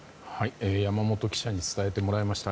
山本記者に伝えてもらいました。